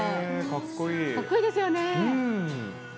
かっこいいですよね。